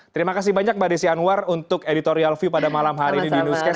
terima kasih banyak mbak desi anwar untuk editorial view pada malam hari ini di newscast